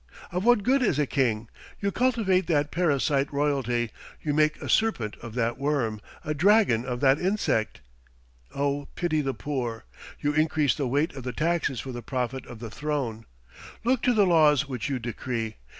Of what good is a king? You cultivate that parasite royalty; you make a serpent of that worm, a dragon of that insect. O pity the poor! You increase the weight of the taxes for the profit of the throne. Look to the laws which you decree.